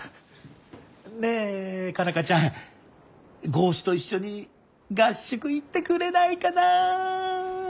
ねえ佳奈花ちゃん剛士と一緒に合宿行ってくれないかな？